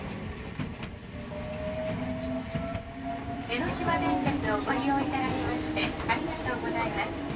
「江ノ島電鉄をご利用頂きましてありがとうございます」。